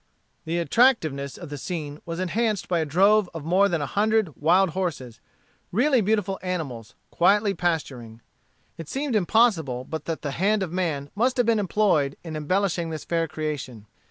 The attractiveness of the scene was enhanced by a drove of more than a hundred wild horses, really beautiful animals, quietly pasturing. It seemed impossible but that the hand of man must have been employed in embellishing this fair creation.